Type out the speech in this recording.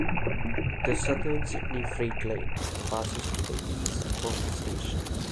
The Southern Sydney Freight Line passes to the east of the station.